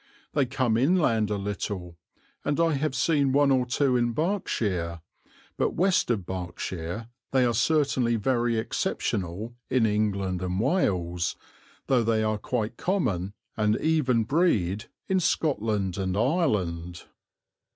They come inland a little, and I have seen one or two in Berkshire, but west of Berkshire they are certainly very exceptional in England and Wales, though they are quite common and even breed in Scotland and Ireland.